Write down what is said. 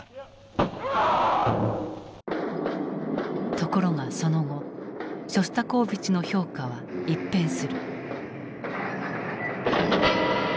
ところがその後ショスタコーヴィチの評価は一変する。